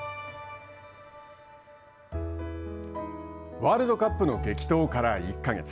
ワールドカップの激闘から１か月。